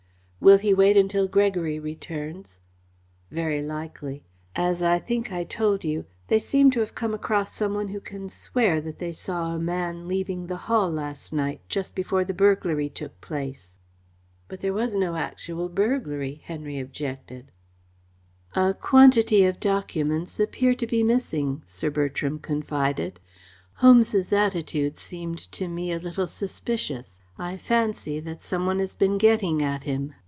"Will he wait until Gregory returns?" "Very likely. As I think I told you, they seem to have come across some one who can swear that they saw a man leaving the Hall last night, just before the burglary took place." "But there was no actual burglary," Henry objected. "A quantity of documents appear to be missing," Sir Bertram confided. "Holmes's attitude seemed to me a little suspicious. I fancy that some one has been getting at him.